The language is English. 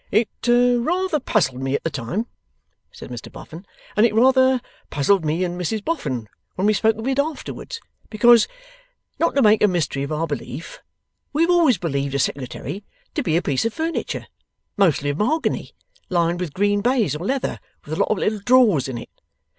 'It rather puzzled me at the time,' said Mr Boffin, 'and it rather puzzled me and Mrs Boffin when we spoke of it afterwards, because (not to make a mystery of our belief) we have always believed a Secretary to be a piece of furniture, mostly of mahogany, lined with green baize or leather, with a lot of little drawers in it.